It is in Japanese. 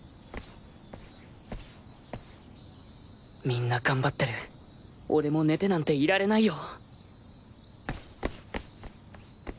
みんな頑張ってる俺も寝てなんていられないよ